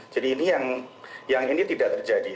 jadi ini yang tidak terjadi